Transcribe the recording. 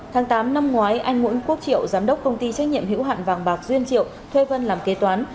tháng tám năm ngoái anh nguyễn quốc triệu giám đốc công ty trách nhiệm hữu hạn vàng bạc duyên triệu thuê vân làm kế toán